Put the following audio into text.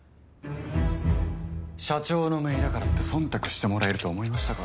社長のめいだからってそんたくしてもらえると思いましたか？